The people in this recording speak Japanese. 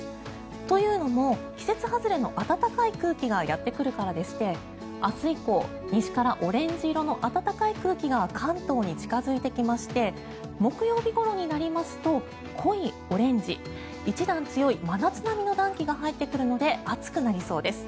というのも季節外れの暖かい空気がやってくるからでして明日以降、西からオレンジ色の暖かい空気が関東に近付いてきまして木曜日ごろになりますと濃いオレンジ一段強い真夏並みの暖気が入ってくるので暑くなりそうです。